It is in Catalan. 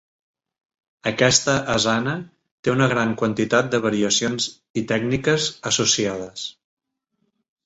Aquesta asana té una gran quantitat de variacions i tècniques associades.